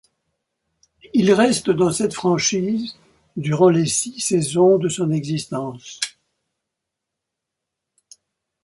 Il reste dans cette franchise durant les six saisons de son existence.